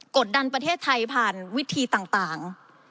กดดันประเทศไทยผ่านวิธีต่าง